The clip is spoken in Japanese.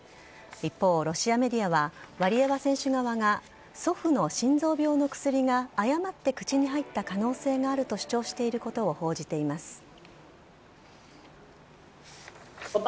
一方、ロシアメディアは、ワリエワ選手側が祖父の心臓病の薬が誤って口に入った可能性があると主張していることを報じています。